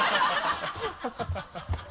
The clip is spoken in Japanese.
ハハハ